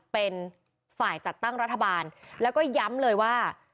เป็นฝ่ายจัดตั้งรัฐบาลแล้วก็ย้ำเลยว่า